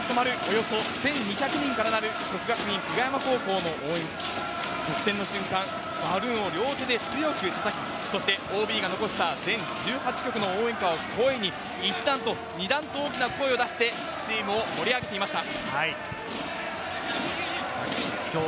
およそ１２００人からなる國學院久我山高校の応援席、得点の瞬間、バルーンを両手で強く叩き、そしてＯＢが残した全１８曲の応援歌を声に一段と大きな声を出して、チームを盛り上げていました。